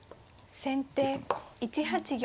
先手１八玉。